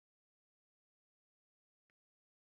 Ingabo yanjye ni isuli ibana n’iya Rusanganirantambara,